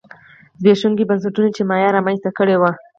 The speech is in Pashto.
زبېښونکي بنسټونه چې مایا رامنځته کړي وو